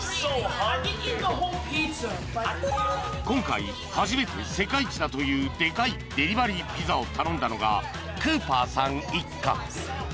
［今回初めて世界一だというデカいデリバリーピザを頼んだのがクーパーさん一家］